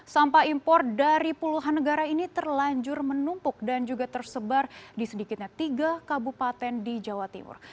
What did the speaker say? sampah impor dari puluhan negara ini terlanjur menumpuk dan juga tersebar di sedikitnya tiga kabupaten di jawa timur